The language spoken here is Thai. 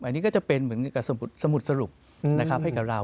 อันนี้ก็จะเป็นเหมือนกับสมุดสรุปนะครับให้กับเรา